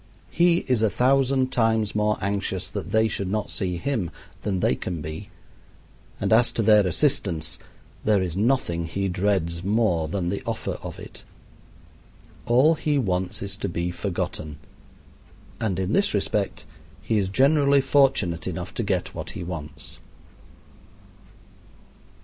He is a thousand times more anxious that they should not see him than they can be; and as to their assistance, there is nothing he dreads more than the offer of it. All he wants is to be forgotten; and in this respect he is generally fortunate enough to get what he wants.